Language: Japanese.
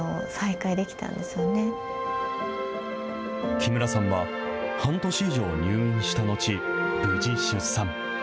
木村さんは、半年以上入院したのち、無事出産。